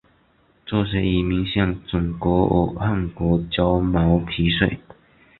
这些遗民向准噶尔汗国交毛皮税。